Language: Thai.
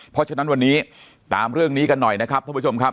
เพราะฉะนั้นวันนี้ตามเรื่องนี้กันหน่อยนะครับท่านผู้ชมครับ